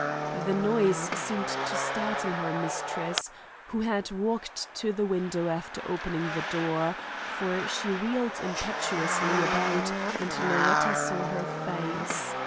The noise seemed to startle her mistress, who had walked to the window after opening the door, for she wheeled impetuously about and Loretta saw her face.